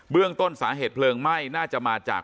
เรื่องต้นสาเหตุเพลิงไหม้น่าจะมาจาก